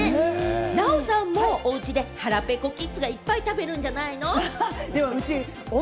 ナヲさんもおうちで腹ペコキッズがいっぱい食べるんじゃないの？